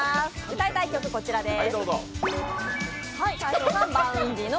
歌いたい曲は、こちらです。